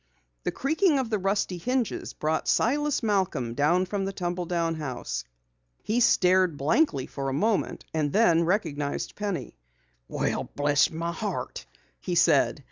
The creaking of the rusty hinges brought Silas Malcom from the tumble down house. He stared blankly for a moment and then recognized Penny. "Well, bless my heart," he said.